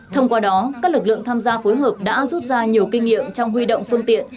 thông qua đó các lực lượng tham gia phối hợp đã rút ra nhiều kinh nghiệm trong huy động phương tiện